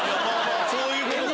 そういうことか。